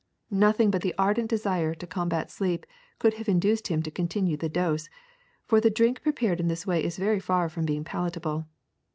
Nothing but the ardent desire to com bat sleep could have induced him to continue the dose, for the drink prepared in this way is very far from being palatable.